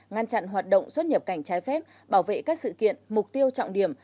ngăn chặn hoạt động xuất nhập cảnh trái phép bảo vệ các sự kiện mục tiêu trọng điểm